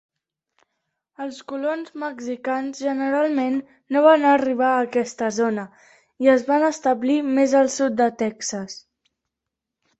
Els colons mexicans generalment no van arribar a aquesta zona, i es van establir més al sud de Texas.